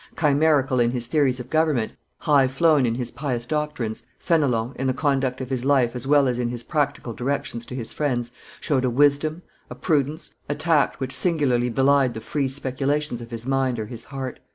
Chimerical in his theories of government, high flown in his pious doctrines, Fenelon, in the conduct of his life as well as in his practical directions to his friends, showed a wisdom, a prudence, a tact which singularly belied the free speculations of his mind or his heart.